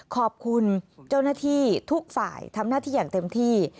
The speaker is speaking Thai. ขอบคุณเจ้าหน้าที่ทุกฝ่ายทำหน้าที่อย่างเต็มที่